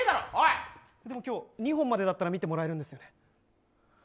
でも今日２本までだったら見てもらえるんですよね。